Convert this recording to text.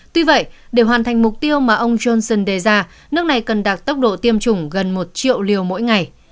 tuy vậy để hoàn thành mục tiêu mà ông johnson đề ra nước này cần đạt tốc độ tiêm chủng gần một triệu liều mỗi ngày